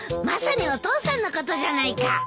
まさにお父さんのことじゃないか。